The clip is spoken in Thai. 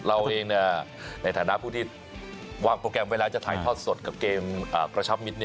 เราเองในฐานะผู้ที่วางโปรแกรมไว้แล้วจะถ่ายทอดสดกับเกมกระชับมิตร